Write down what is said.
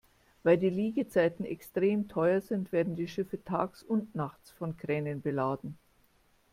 Weil die Liegezeiten extrem teuer sind, werden die Schiffe tags und nachts von Kränen beladen.